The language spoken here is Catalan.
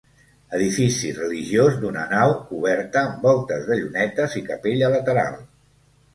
Edifici religiós d'una nau coberta amb voltes de llunetes i capella lateral.